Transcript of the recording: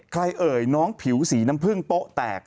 เอ่ยน้องผิวสีน้ำผึ้งโป๊ะแตก